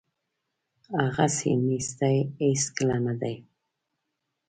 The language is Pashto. هغسې نیستي هیڅکله نه ده.